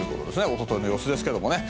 おとといの様子ですけどね。